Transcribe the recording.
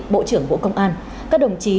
bộ trưởng bộ công an các đồng chí